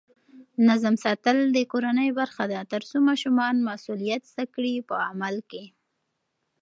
نظم ساتل د کورنۍ برخه ده ترڅو ماشومان مسؤلیت زده کړي په عمل کې.